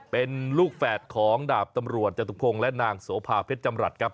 เป็นลูกแฝดของดาบตำรวจจตุพงศ์และนางโสภาเพชรจำรัฐครับ